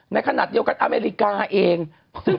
พี่เราหลุดมาไกลแล้วฝรั่งเศส